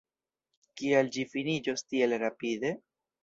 Kial ĝi finiĝos tiel rapide?